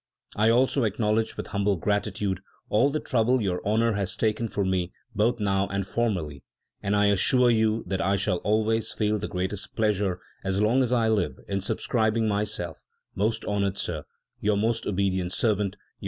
I also acknowledge with humble gratitude all the trouble your honour has taken for me both now and formerly, and I assure you that I shall always feel the greatest pleasure, as long as I live, in subscribing myself, most honoured Sir, Your most obedient servant Joh.